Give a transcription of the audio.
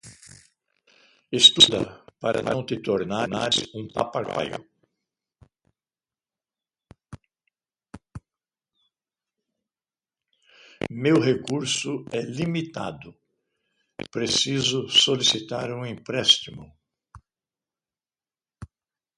Meu recurso é limitado, preciso solicitar um empréstimo